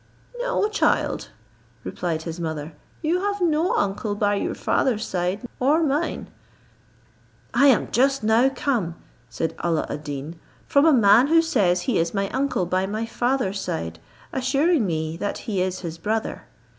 "No, child," replied his mother, "you have no uncle by your father's side, or mine." "I am just now come," said Alla ad Deen, "from a man who says he is my uncle by my father's side, assuring me that he is his brother.